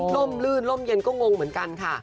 ลื่นล่มเย็นก็งงเหมือนกันค่ะ